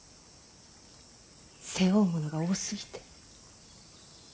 背負うものが多すぎて。